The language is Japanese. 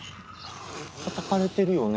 たたかれてるよね？